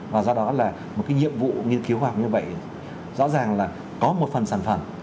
và do đó là một cái nhiệm vụ nghiên cứu khoa học như vậy rõ ràng là có một phần sản phẩm